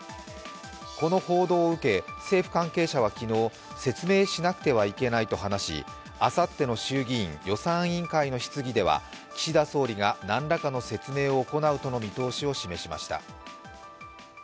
この報道を受け、政府関係者は昨日説明しなくてはいけないと話しあさっての衆議院・予算委員会の質疑では岸田総理が何らかの説明を行うとの見通しを示しました。